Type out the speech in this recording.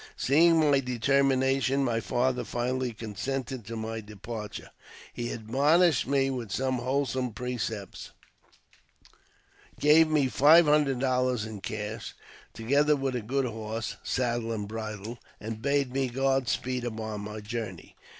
Seeing my determination, my father finally consented to my depar ture. He admonished me with some wholesome precepts, gave JAMES P. BECKWOUBTH, 35 me five hundred dollars in cash, together with a good horse, saddle, and bridle, and bade me God speed upon my journey.